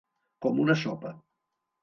Com una sopa.